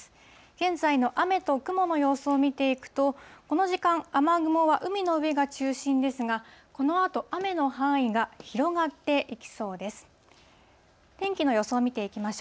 現在の雨と雲の様子を見ていくと、この時間、雨雲は海の上が中心ですが、このあと雨の範囲が広がっていきそうです。